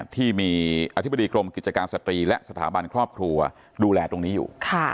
ที่มีอธิบดีกรมกิจการสตรีและสถาบันครอบครัวดูแลตรงนี้อยู่